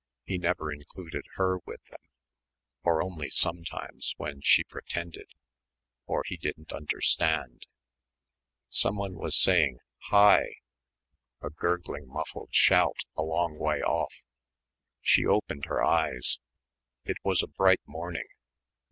He never included her with them; or only sometimes when she pretended, or he didn't understand.... Someone was saying "Hi!" a gurgling muffled shout, a long way off. She opened her eyes. It was bright morning.